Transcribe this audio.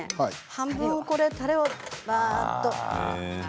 半分、たれをばーっと。